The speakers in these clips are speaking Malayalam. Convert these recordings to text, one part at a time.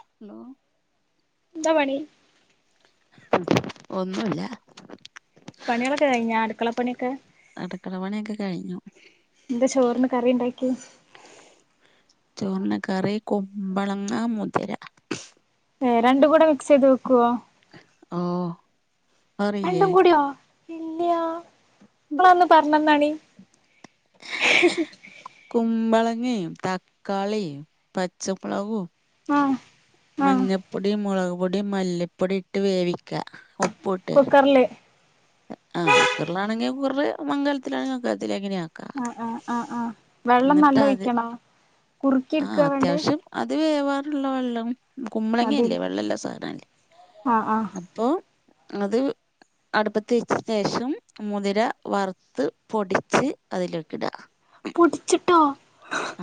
ഹലോ ന്താ പണി ഒന്നൂല്ല പണികളൊക്കെ കഴിഞ്ഞ അടുക്കളപ്പണിയൊക്കെ അടുക്കള പണിയൊക്കെ കഴിഞ്ഞു എന്താ ചോറിന് കറിണ്ടാക്കി ചോറിന് കറി കുമ്പളങ്ങ മുതിര ഏ രണ്ടും കൂടെ മിക്സ് ചെയ്ത് വെക്കോ ആ രണ്ടും കൂടിയോ ഇല്ല്യാ ഇങ്ങളൊന്ന് പറഞ്ഞന്നാണി കുമ്പളങ്ങിം തക്കാളിം പച്ചമുളകും ആ ആ മഞ്ഞപ്പൊടിം, മുളക് പൊടിം, മല്ലിപ്പൊടിട്ട് വേവി ക്ക ഉപ്പുട്ട് കുക്കറില് അ കുക്കറിലാണെങ്കിൽ കുകറില് മങ്കലത്തിലാണെങ്കി മങ്കല തിലെങ്ങിനിം ആക്ക ആ ആ ആ ആ വെള്ളം നല്ല ന്ന്ട്ടത് ഒഴിക്കണോ കുറുക്കി ആ എടുക്കാ വേണ്ടേ അത്യാവിശ്യം അത് വേ [unintelligible] വെള്ളം കുമ്പളങ്ങ്യല്ലേ മതില്ലേ വെള്ളല്ലെ സാനല്ലേ ആ ആ അപ്പൊ അത് അടുപ്പ ത്തെച്ചിട്ടേഷം മുതിര വർത്ത് പൊടിച്ച് അതിലേക്കിട പൊടിച്ചിട്ടോ? അ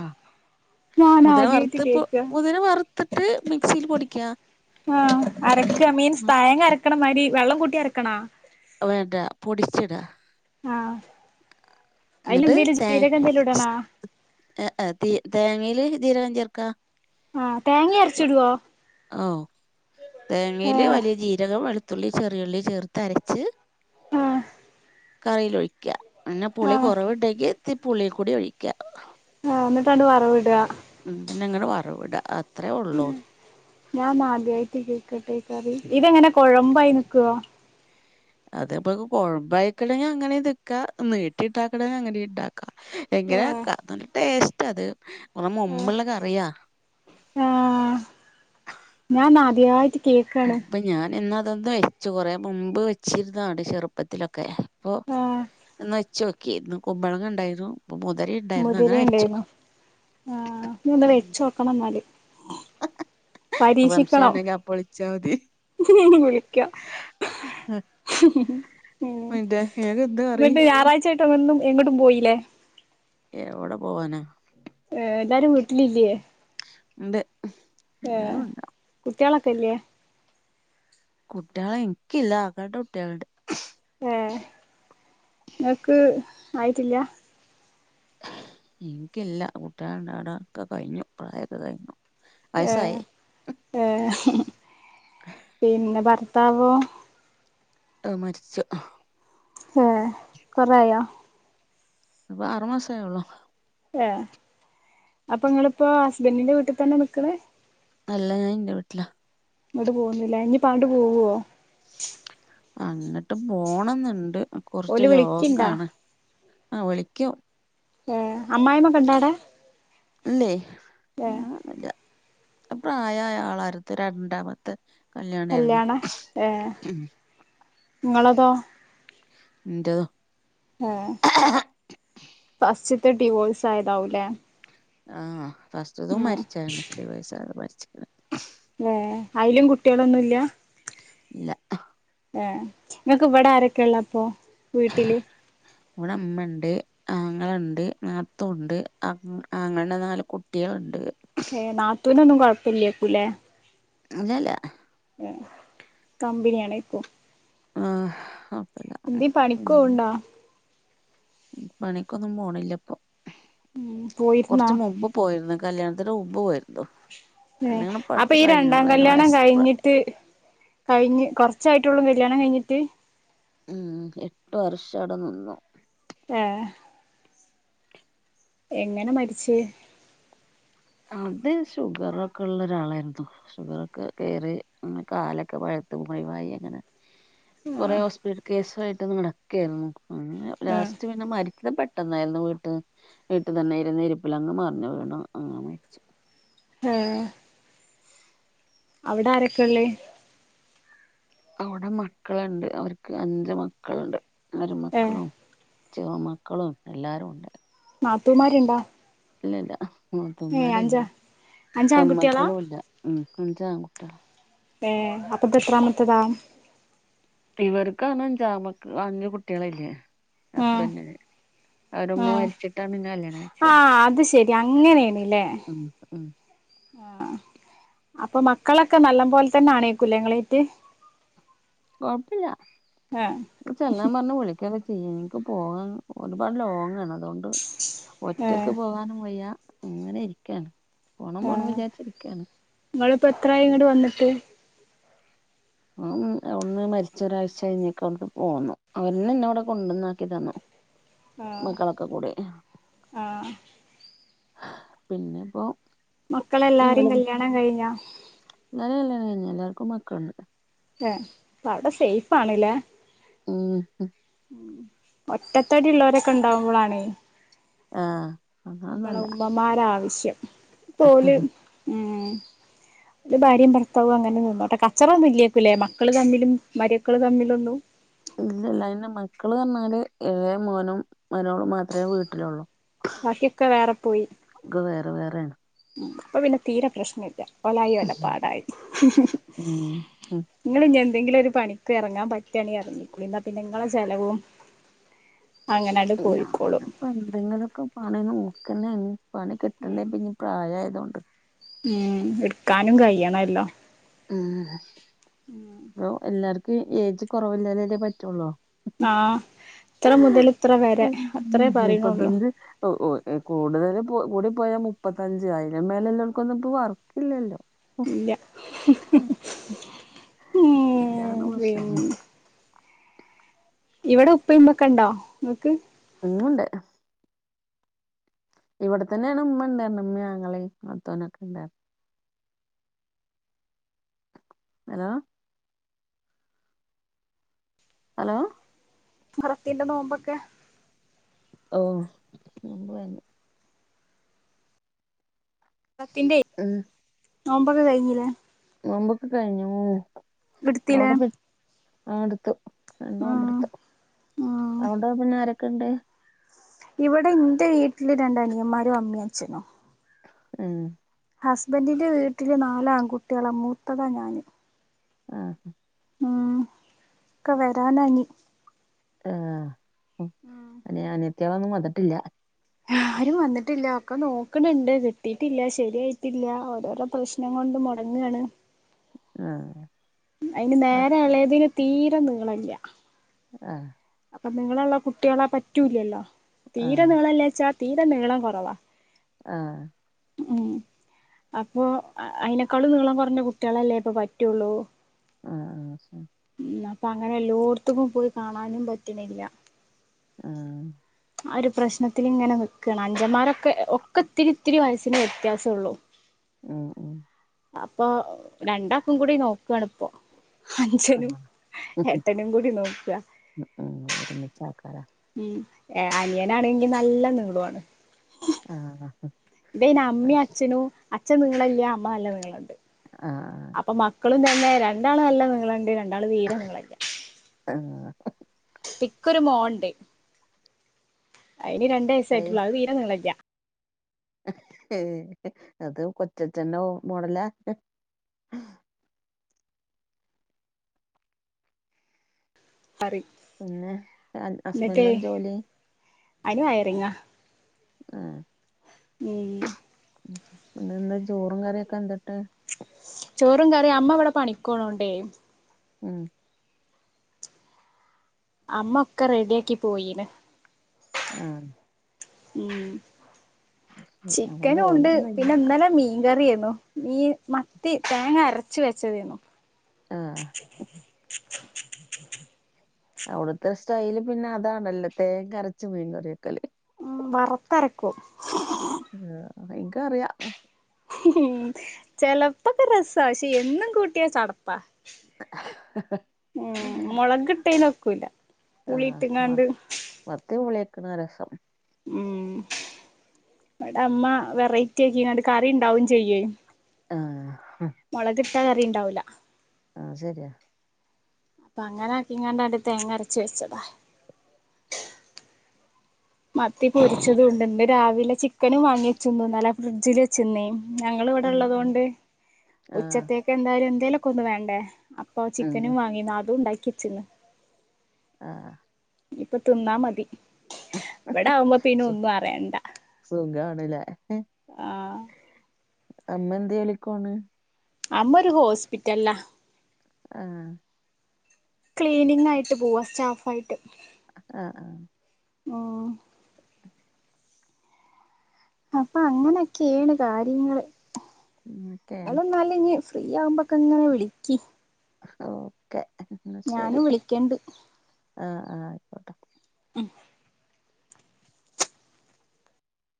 ഞാൻ മുതിര ആദ്യായിട്ട് വർത്ത് പ്പൊ കേക്കാ മുതിര വർത്ത്ട്ട് മിക്സീൽ പൊടിക്കാ ആ അരക്ക മീൻസ്, തഴങ്ങരക്ക്ണ മാരി വെള്ളം കൂട്ടി അരക്കണ? വേണ്ട, പൊടിച്ചിട ആ, അയ്ലെന്തേലും ജീരകന്തേലുടണാ? ഏ എ, തി തേങ്ങീല് ജീരകം ചേർക്കാ ആ തേങ്ങ അരച്ചിടുവോ ഓ തേങ്ങയില് ആഹ് വലിയ ജീരകം വെളുത്തുള്ളി ചെറിയുള്ളി ചേർത്ത് അരച്ച് ആഹ കറിൽ ഒഴിക്ക പിന്നെ പുളി കുറവുണ്ടെങ്കി തി പുളി കൂടി ഒഴിക്കാ ഇണ്ട് വറവ വിടുക ഉ പിന്നെ ഇങ്ങനെ പറവിട അത്രയേ ഉള്ളൂ ഞാൻ ആദ്യമായിട്ട് കേക്കട്ടെ കറി ഇതെങ്ങനെ കുഴമ്പായി നിക്കുവോ അതപ്പൊ കൊഴമ്പായിക്കളെ അങ്ങനെ നിൽക്കാ നീട്ടി ഇട്ടാക്കണ അങ്ങനെ ഇണ്ടാക്ക എങ്ങനെ ആഹ് ആക്ക നല്ല ടേസ്റ്റ് അത് കുറെ ആഹ് മുമ്പുള്ളൊക്കെ അറിയാ ആഹ് ഞാൻ ആദ്യായിട്ട് കേക്കാണ് അപ്പൊ ഞാൻ എന്നാ അതൊന്ന വെച്ചു കൊറെ മുൻപ് വെച്ചിരുന്നാണ് ചെറുപ്പത്തിലൊക്കെ അപ്പൊ ആഹ് ന്ന് ച്ച് നോക്കിന്ന് കൊുമ്പളങ്ങ ഉണ്ടായിരുന്നുപ്പൊ മുതിര ഉണ്ടായിരുന്നു ആ ന എന്ത വെച്ച നോക്കണം എന്നല് [unintelligible] സംശയം പരീക്ഷിക്കണം ഇണ്ടെങ്കി അപ്പൊ വിളിച്ചാ മതി. വിളിക്കാം [unintelligible] അന്റെ നക്ക് എന്താ കറി മും എങ്ങോട്ടും പോയില്ലേ ഏ എവിടെ പോവാനാ എല്ലാരും വിട്ടലില്ലയേ ഉണ്ട് എല്ലാരും ഉണ്ട കുട്ടികളക്കല്ലയ കുട്ടികളെ എനിക്കല്ല ആങ്ങളുടെ കുട്ടികളുടെ ഏ നിങ്ങക്ക് ആയിട്ടില്ല എനിക്കല്ല കുട്ടികളുണ്ടാവണ്ട ഒക്കെ കഴിഞ്ഞു പ്രായക്കെ കഴിഞ്ഞു ഏ വയസ്സായി ഏ പിന്നെ ഭർ താപോ ആ മരിച്ചു ആഹ് കുറായോ ഇപ്പൊ അറുമാസം ആയളോ ഏ അപ്പൊ നിങ്ങളിപ്പോ ഹസ്ബൻഡിന്റെ വീട്ടിൽ തന്നെ നിക്കണേ അല്ല ഞാൻ എന്റെ വീട്ടില പാണ്ട് പോവോ അങ്ങിട്ട് പോണംന്നുണ്ട് കുറച്ച് ഓല് വിളിക്ക്ണ്ടാ ലോങ്ങാണ് ആ വിളിക്കും ഏ അമ്മായിമ്മൊക്കെ ഇണ്ടാടാ അല്ലേ അങ്ങനൊന്നുല്ല അ പ്രായമായ ആളാരത്ത് രണ്ടാമത്തെ കല്യാണായിരുന്നു കല്യാണ ഏ നിങ്ങളതോ എൻ്റെത് ഹ പസ്റ്റിത്തെ ഡിവോഴ്സ് ആയതാവൂലേ ആ ഫസ്റ്റ്ത് ഉം മരിച്ചരുന്നേ ഡിവോഴ്സാകാത മരി ഏ അയിലും കുട്ടികളൊന്നുംല്ല ഇല്ല ഏ നിങ്ങക്ക് ഇവിടെ ആരൊക്കെയ ഉള്ള അപ്പൊ വീട്ടില് ഇവിടെ അമ്മ ഉണ്ട് ആങ്ങളുണ്ട് നാത്തുണ്ട് അങ് ആങ്ങുടെ നാല് കുട്ടികളുണ്ട് ഏ നാത്തൂനെന്നും കൊഴപ്പില്ലക്കൂലെ അങ്ങെല്ല കമ്പിനിയാണ് ഇപ്പൊ ആഹ് എന്തേ പിന്നെ പണിക്കേണ്ടോ പണിക്കൊന്നും പോണില്ലപ്പൊ ഉം പോയിരുന്നോ കുറച്ച് മുമ്പ് പോയിരുന്നു കല്യാണ അത് ഉുമ്പ്യുരുന്നു ഏ അപ്പൊ ഈ രണ്ടാം കല്യാണം വയസ് കഴിഞ്ഞിട്ട് കഴിഞ്ഞ് കൊറച്ചായിട്ടുള്ളൂ വില്യാണം കഴിഞ്ഞിട്ട് ഉം എട്ട് വർഷം അട നിന്നു ആഹ് എങ്ങനെ മരിച്ചേ അത് ഷുഗറൊക്കെ ഉള്ള ഒരാളായിരുന്നു ഷുഗർ ഒക്കെ കയറി അങ്ങനെ കാലൊക്കെ പഴു ത്തു മയിവായി അങ്ങനെ ആ കൊറെ ഹോസ്പിറ്റൽ കേസയിട്ട് നടിക്കായിരുന്നു അങ്ങെ ആ ലാസ്റ്റ് പിന്നെ മരിക്കപ്പെ പെട്ടെന്നായിരുന്നു വീട്ട് വീട്ടു തന്നെ ഇരുന്ന ഇരിപ്പിൽ അങ്ങ് മറിഞ്ഞ് വീണു അങ്ങ മരിച്ചു ആഹ് അവിടെ ആരൊക്കെയ ഉള്ളേ അവിടെ മക്കളുണ്ട് അവർക്ക് അഞ്ച് മക്കളുണ്ട് ഏ മരിമക്കളും ചെറുമക്കളും എല്ലാരും ഉണ്ട് നാത്തൂമാരുണ്ടാ? ഇല്ലല്ല നാത്തുമാരില്ല അഞ്ച് ആൺകുട്ടികളാ പെമക്കളും ഇല്ല മ് അഞ്ചാം ട്ട [unintelligible] ഏ അപ്പത്ത്തെത്രമത്തതാ ഇവർക്ക് തന്നെ അഞ്ചാമക്കള് അഞ്ചുകുട്ടികളല്ലേ ആ ഹസ്ബൻഡിന് ആ അവരുമ്മ മരിച്ചിട്ടാണ് എന്നെ കല്യാണം ആ കഴിച്ചേ അത് ശരി മ് മ് ആ അപ്പൊ മക്കളൊക്കെ നല്ല ബോലെ തന്നെയാണ് കുല്ലേങ്ങളീറ്റ് കുഴപ്പില്ല പ്പ ചെല്ലാൻ പറഞ്ഞ് വിളിക്കണോ ചെയ എനിക്ക് പോകാൻ ഒരുപാട് ലോങ് ആണ് അതുകൊണ്ട് ആ ഒറ്റക്ക് പോകാനും വയ്യ ഇങ്ങനെ ഇരിക്കാണ് പോണം ആ പോണം വിചാരിച്ചിരിക്കാണ് നിങ്ങിപ്പോ എത്രായി ഇങ്ങോട്ട് വന്നിട്ട് ആ അവിന്ന് മരിച്ച ഒരാഴ്ച കഴിഞ്ഞൊക്കെ അവിടുക്ക് പോന്നു അവര്ന്ന എന്നന്നെ അവിടെ കൊണ്ടുവന്നാക്കി തന്നു ആഹ് മക്കളൊക്കെ കൂടെ ആഹ് പിന്നെപ്പോ മക്കളെല്ലാരും കല്യാണം കഴിഞ്ഞ നല്ലല്ലാണ് ക എല്ലാവർക്കും മക്കളുണ്ട് ഏ അവിടെ സേഫ ആണല്ലേ [inaudible] ഉ ഒറ്റത്തടി ഉള്ളവരൊക്കെ ഉണ്ടാവുമ്പോളാണേ ആ നമ്മള ഉമ്മമാരാവശ്യം പോല ഉം [inaudible] ഓല് ഭാര്യയും ഭർത്താവും അങ്ങനെ നിന്നോട്ടെ കച്ചറൊന്നു ഇല്ലകുലേ മക്കളെ തമ്മിൽ മരക്കള് തമ്മിലൊന്നും ഇല്ല അതിറെ മക്കള് പറഞ്ഞാല് ഇളേ മോനും മരോളും മാത്രമേ വീട്ടിലുള്ളൂ പഹിയൊക്കെ വേറെ പോയി ഒക്കെ വേറെ വേറെയാണ് ഉ അപ്പൊ പിന്നെ തീരെ പ്രശ്ന ഇല്ല ഒലായി ഓല പാടായി ഉം ഉം നിങ്ങൾ എന്തെങ്കിലും ഒരു പണിക്ക് ഇറങ്ങാൻ പറ്റിയണ ഇറങ്ങിക്കളി എന്നാ പിന്നെങ്ങളെ ചെലവും അങ്ങനാണ്ട് പോയിക്കോളും ഞാനിപ്പൊ എന്തെങ്കിലുമൊക്കെ പണ നോ കെനയാണ് പണി കിട്ടണ്ടേ ഉം പ്പ പ്രായമായതുകൊണ്ട് ഉം എടുക്കാനും കഴിയണല്ലോ ഉ അപ്പൊ എല്ലാർക്കും ഏജ് കുറവില്ലതതേ പറ്റുള്ളൂ ആ പറയണള്ളൂ മുപ്പത്തഞ്ച് കൂടുതൽ കൂടി പോയാ മുപ്പത്തഞ്ച ആയിരം മേലെല്ലാവർക്കൊന്നുംപ്പ വർക്കില്ലല്ലോ ഇല്ല വാന ഉം മശ പിന്നെ ഇവിടെ ഉപ്പിമ്മക്കെ ഉണ്ടോ ഇങ്ങൾക്ക് മമണ്ട് ഇവിടെത്തന്നെയാണ് ഉമ്മ ഉണ്ടാരരുന്ന അങ്ങളി നാത്തൂനൊക്കെ ഉണ്ടായി ഹലോ ഹലോ മുഹറത്തിന്റെ നോമ്പൊക്കെ ഓ മുമ്പ് തന്നെ റത്തിന്റെ ഉം നോമ്പൊക്കെ കഴിഞ്ഞില്ലേ നോമ്പൊക്കെ കഴിഞ്ഞു ഇടുത്തിലെ അവിടെ പി ആ എടുത്തു രണ്ടോമ്പ് ഉം അവിടെ പിന്നെ ആരൊക്കെ ഇണ്ട് ഇവിടെ എറെ വീട്ടില് രണ്ട് അനിയന്മാരോ അമ്മിയ അച്ഛനോ ഉം ഹസ്ബൻഡിന്റെ വീട്ടില് നാലാം ആൺകുട്ടികള മൂത്തത് ഞാൻ ആ ഇക്ക വരാനായി ആ അന്നെനത്തിയാളൊന്നും വന്നിട്ടില്ല ആരും വന്നിട്ടില്ല ഒക്കെ നോക്കണണ്ട് കിട്ടിട്ടില്ല ശരിയായിട്ടില്ല ഓരോരോ പ്രശ്നങ്ങ കൊണ്ട് മുടങ്ങയാണ് ആ അയിന് ബ- നേരെ യെളയതന് തീരെം നീളില്ല ആ അപ്പൊ നിങ്ങളുള്ള കുട്ടികളെ പറ്റൂല്ലല്ലോ ആ തീരെ നീളംല്ലാച്ചാ തീരെ നീളം കുറവാ ആ ഉം അപ്പൊ അയിനേക്കാളും നീളം കൊറഞ്ഞ കുട്ട്യളല്ലേ ഇപ്പൊ പറ്റുള്ളൂ ആ ആ ശരി. അപ്പൊങ്ങനെ എല്ലോടത്തക്കും പോയി കാണാനും പറ്റണില്ല ആ ആ ഒരു പ്രശ്നത്തില്ങ്ങനെ നിക്കാണ് അഞ്ചന്മാരൊക്കെ ഒക്കെ ഇത്തിരിത്തിരി വയസ്സിന്റെ വ്യത്യാസെള്ളു [unintelligible] അപ്പൊ രണ്ടാക്കും കൂടി നോക്കുവാണിപ്പോ ആ അഞ്ചനും എട്ടനും കൂടി നോക്കാ ഉം ഒരുമിച്ച് ആൾക്കാരാ ഉം അനിയനാണെങ്കി നല്ല നീളവാണ് ആ ഇന്തേയ്ന് അമ്മേ അച്ഛനു അച്ഛ നീളല്ല്യ അമ്മ നല്ല നീളണ്ട് ആ അപ്പൊ മക്കളും തന്നെ രണ്ടാളല്ല നീളണ്ട് രണ്ടാള് തീരെ നീളല്ല്യ ആ പിക്കൊരുമോണ്ടെ അയിന് രണ്ടു ആയി. വയസ്സായിട്ടുള്ളൂ അതീരെ നീളല്ല്യ അത് കൊച്ചച്ചന്റെ മോഡലാ ആഹ [unintelligible] പറയും പിന്നെ അസ്ബൻഡ എന്നിട്ട് ജോലി അയിന് വയറിങ്ങാ ആ ഉം പിന്നന്താ ചോറും കറിയൊക്കെ എന്ത ചോറും കറിയ അമ്മവിടെ പണിക്കോണോണ്ടേ ഉം അമ്മ ഒക്കെ റെഡി ആക്കി പോയീന് ആ ഉം നമ്മ ചിക്കനും ഉണ്ട് ജോലിയൊന്നുല്ല പിന്നെ ന്നലെ മീൻ [unintelligible] കറി ഈ മത്തി തേങ്ങ അരച്ച് വെച്ചതേന്നു ആ അവിടുത്തെ സ്റ്റൈല് പിന്നതാണല്ലോ തേങരച്ച് മീൻകറിയെക്ക വറത്തരക്കൂ ആ ഇക്കറിയാം ഉം ചെലപ്പോക്കെ രസാ പക്ഷെ എന്നും കൂട്ടിയാ ചടപ്പാ ഉം മൊളകിട്ടേന വക്കൂല്ല ആ മ മത്തി വിളിയക്കണ രസം ഉം ഇവിടമ്മ വെറൈറ്റി ആക്കിനാണ്ട് കറിണ്ടാവും ചെയ്യേ ആഹ് മൊളകിട്ടാ കറിണ്ടാവൂല ആ ശരിയാ അപ്പൊ അങ്ങനാക്കിനാങ്ങാണ്ടാണ്ട് തേങ്ങരച്ച് വെച്ചതാ മത്തി പൊരിച്ചതുണ്ട് ന്ന് രാവിലെ ചിക്കനും വാങ്ങിയെച്ചൂന്ന് ന്നലെ ഫ്രിഡ്ജിൽ വച്ചുന്നേ ഞങ്ങള് വിടെള്ളത് ഉം കൊണ്ട് ആഹ് ഉച്ചത്തേക്കെന്തായാലും എന്തേലുക്കെന്ന് വേണ്ടേ അപ്പൊ ഉം ചിക്കനും വാങ്ങിന്ന അതും ഉണ്ടാക്കി വച്ചിന്ന് ആ ഇപ്പൊ തിന്നാ മതി ഇവിടാവുമ്പ പിന്നൊന്നും അറിയണ്ട സുഖാണ്ലേ ആ അമ്മ എന്ത്യോലിക്കോണ് അമ്മ ഒരു ഹോസ്പിറ്റല്ലാ ആ ക്ലീനിങ് ആയിട്ട് പോവാ സ്റ്റാഫായിട്ടേ ആ ആ ഓ അപ്പൊ അങ്ങനൊക്കെയേണ് കാര്യങ്ങള് അങ്ങനൊക്കേണ് [unintelligible] ഫ്രീയാവുമ്പക്കെങ്ങനെ വിളിക്ക് ഓക്കെ ഞാനും വിളിക്കണ്ട് ആഹ ആഹ് ആയിക്കോട്ടെ ഉം